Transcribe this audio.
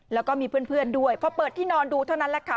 แล้วก็มีเพื่อนด้วยพอเปิดที่นอนดูเท่านั้นแหละค่ะ